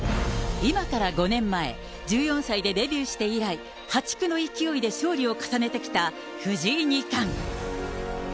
今から５年前、１４歳でデビューして以来、破竹の勢いで勝利を重ねてきた藤井二冠。